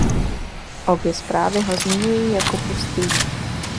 Obě zprávy ho zmiňují jako pustý.